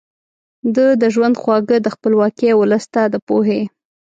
ده د ژوند خواږه د خپلواکۍ او ولس ته د پوهې